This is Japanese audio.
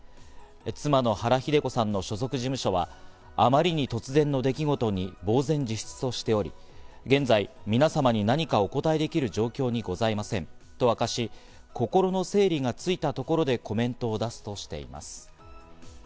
妻の原日出子さんの所属事務所はあまりに突然の出来事に呆然自失としており、現在、皆様に何かお答えできる状況にございませんと明かし、心の整理がついたところでコメントを出すとしています。